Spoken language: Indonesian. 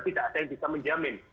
tidak ada yang bisa menjamin